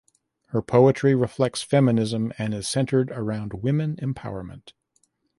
Her poetry reflects feminism and is centred around women empowerment.